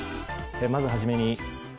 まず初めに。